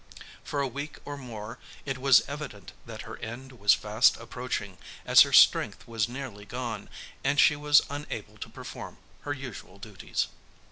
For a week or more it was evident that her end was fast approaching, as her strength was nearly gone, and she was unable to perform her usual duties.